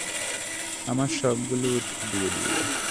আমাকে সবগুলো উট দিয়ে দিল।